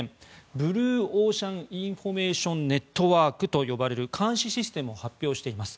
ブルーオーシャン・インフォメーション・ネットワークと呼ばれる監視システムを発表しています。